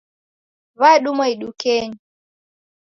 W'adumwa idukenyi.